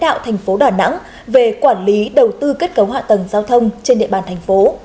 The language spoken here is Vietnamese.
đoàn công tác bộ giao thông vận tải do tp hcm về quản lý đầu tư kết cấu hạ tầng giao thông trên địa bàn thành phố